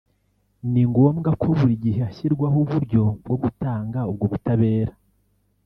ni ngombwa ko buri gihe hashyirwaho uburyo bwo gutanga ubwo butabera